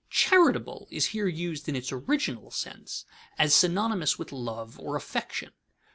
_ Charitable is here used in its original sense, as synonymous with love or affection.